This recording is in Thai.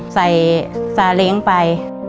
ใส่ซาเล้งไป